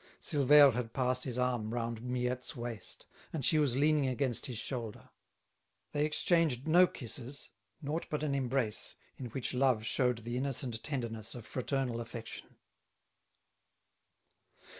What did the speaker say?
Silvère had passed his arm round Miette's waist, and she was leaning against his shoulder. They exchanged no kisses, naught but an embrace in which love showed the innocent tenderness of fraternal affection.